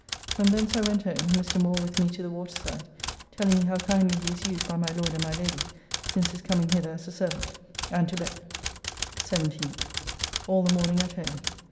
From thence I went home (Mr. Moore with me to the waterside, telling me how kindly he is used by my Lord and my Lady since his coming hither as a servant), and to bed. 17th. All the morning at home.